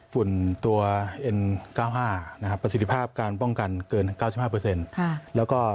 ฝันทงไม่ได้ว่า๒ครั้ง๓ครั้ง